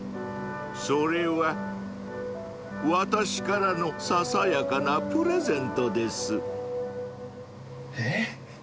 それは私からのささやかなプレゼントです